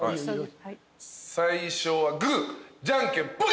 最初はグーじゃんけんぽい！